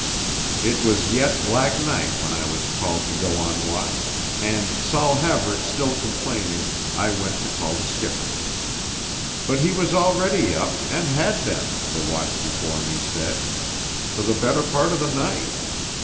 It was yet black night when I was called to go on watch, and, Saul Haverick still complaining, I went to call the skipper. But he was already up and had been, the watch before me said, for the better part of the night.